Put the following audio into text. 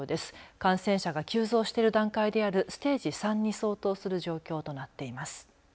感染者が急増している段階であるステージ３に相当する状況となっています。